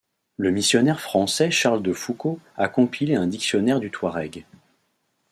Le missionnaire français Charles de Foucauld a compilé un dictionnaire du Touareg.